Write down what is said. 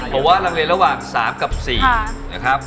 เพราะว่าดังเลนระหว่างสามกับสี่นะครับ